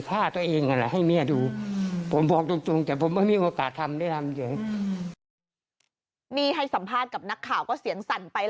ก็เสียงสั่นไปแล้วเมื่อกี้ทำให้ดูเลยไง